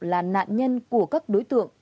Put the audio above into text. là nạn nhân của các đối tượng